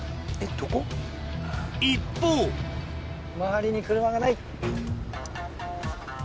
一方周りに車がない。